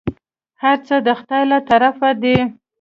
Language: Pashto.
هرڅه د خداى له طرفه دي.